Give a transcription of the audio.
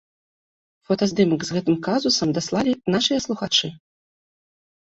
Фотаздымак з гэтым казусам даслалі нашыя слухачы.